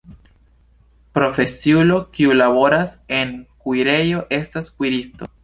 Profesiulo kiu laboras en kuirejo estas kuiristo.